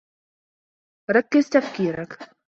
ركّزِ تفكيركِ.